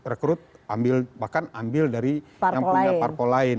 rekrut ambil bahkan ambil dari yang punya parpol lain